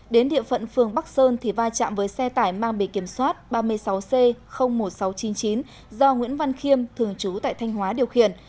đến địa phận phường bắc sơn thì vai trạm với xe tải mang bề kiểm soát ba mươi sáu c một nghìn sáu trăm chín mươi chín do nguyễn văn khiêm thường trú tại thanh hóa điều khiển